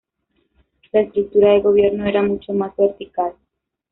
La estructura de gobierno era mucho más vertical.